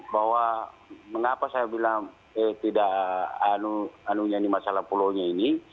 bahwa mengapa saya bilang tidak anunya ini masalah pulau ini